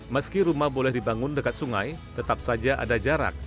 meski rumah boleh dibangun dekat sungai tetap saja ada jarak